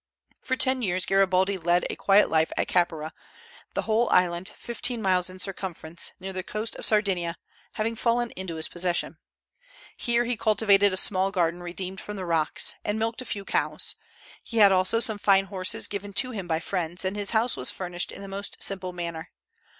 For ten years Garibaldi led a quiet life at Caprera, the whole island, fifteen miles in circumference, near the coast of Sardinia, having fallen into his possession. Here he cultivated a small garden redeemed from the rocks, and milked a few cows. He had also some fine horses given to him by friends, and his house was furnished in the most simple manner.